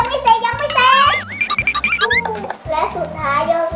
บอกว่ายังไม่เสร็จ